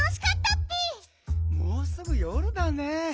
もうすぐよるだねえ。